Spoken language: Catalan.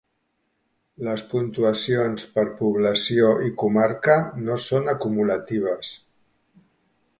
Les puntuacions per població i comarca no són acumulatives.